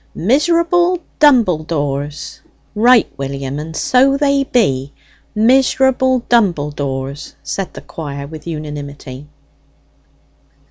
"Miserable dumbledores!" "Right, William, and so they be miserable dumbledores!" said the choir with unanimity.